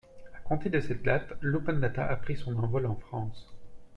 À compter de cette date, l’open data a pris son envol en France.